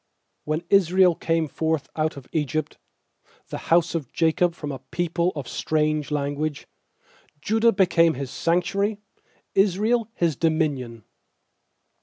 When Israel came forth out of Egypt, The house of Jacob from a people of strange language; 2Judah became His sanctuary, Israel His dominion.